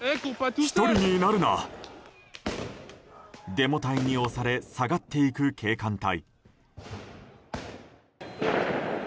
デモ隊に押され下がっていく警官隊。